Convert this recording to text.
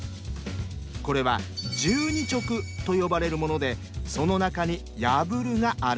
これは「十二直」と呼ばれるものでその中に「破」があるんです。